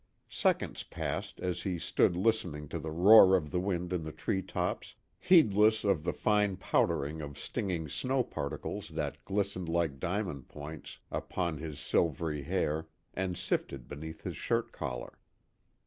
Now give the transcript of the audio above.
Seconds passed as he stood listening to the roar of the wind in the tree tops, heedless of the fine powdering of stinging snow particles that glistened like diamond points upon his silvery hair and sifted beneath his shirt collar.